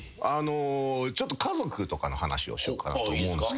ちょっと家族とかの話をしようかなと思うんですけど。